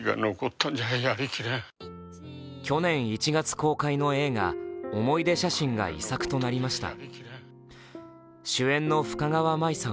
去年１月公開の映画「おもいで写眞」が遺作となりました。